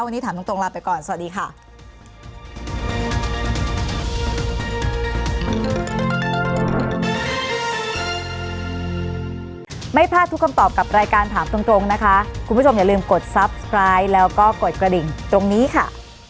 วันนี้ถามตรงลาไปก่อนสวัสดีค่ะ